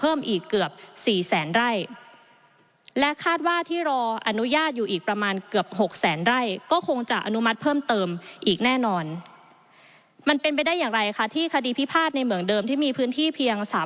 อีกแน่นอนมันเป็นไปได้อย่างไรคะที่คดีพิพาทในเหมืองเดิมที่มีพื้นที่เพียง